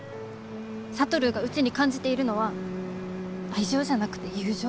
智がうちに感じているのは愛情じゃなくて友情。